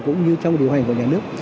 cũng như trong điều hành của nhà nước